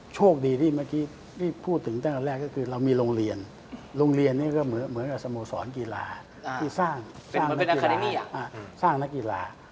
โชคดีที่เมื่อกี้ที่พูดถึงตั้งแต่แรกก็คือเรามีโรงเรียนโรงเรียนนี้ก็เหมือนกับสโมสรกีฬาที่สร้างนักกีฬา